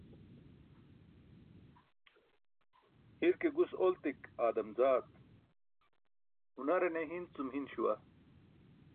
Hir ke gus oltik aadam zaat, hunare ne hin cum hin śuwa.